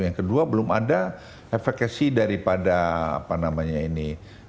yang kedua belum ada efekasi daripada apa namanya ini